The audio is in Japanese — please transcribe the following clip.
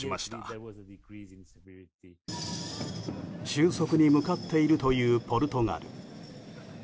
収束に向かっているというポルトガル。